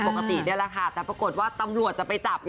ปกตินี่แหละค่ะแต่ปรากฏว่าตำรวจจะไปจับ